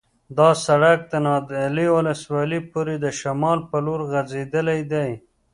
دا سرک د نادعلي ولسوالۍ پورې د شمال په لور غځېدلی دی